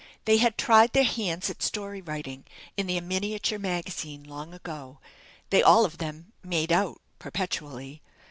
They had tried their hands at story writing, in their miniature magazine, long ago; they all of them "made out" perpetually.